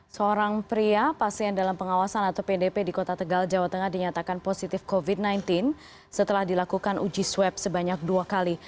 seorang pria pasien dalam pengawasan atau pdp di kota tegal jawa tengah dinyatakan positif covid sembilan belas setelah dilakukan uji swab sebanyak dua kali